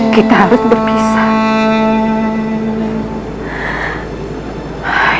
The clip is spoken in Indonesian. kita harus berpisah